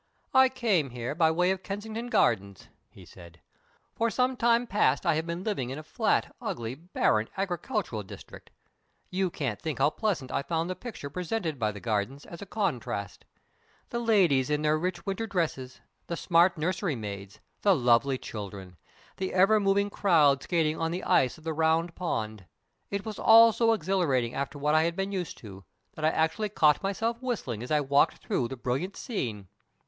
"I came here by way of Kensington Gardens," he said. "For some time past I have been living in a flat, ugly, barren, agricultural district. You can't think how pleasant I found the picture presented by the Gardens, as a contrast. The ladies in their rich winter dresses, the smart nursery maids, the lovely children, the ever moving crowd skating on the ice of the Round Pond; it was all so exhilarating after what I have been used to, that I actually caught myself whistling as I walked through the brilliant scene!